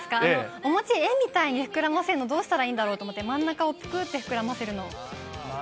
おもち、絵みたいに膨らませるのどうしたらいいんだろうと思って、真ん中をぷくっと膨らませるの。